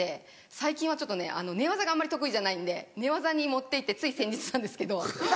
最近はちょっと寝技があんまり得意じゃないんで寝技に持って行ってつい先日なんですけど。